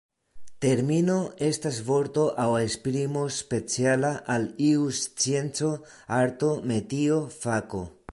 Termino estas vorto aŭ esprimo speciala al iu scienco, arto, metio, fako.